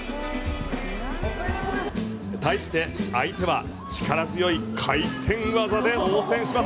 対して相手は力強い回転技で応戦します。